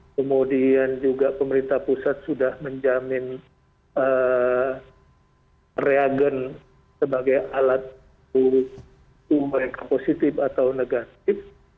kemudian juga pemerintah pusat sudah menjamin reagen sebagai alat untuk mereka positif atau negatif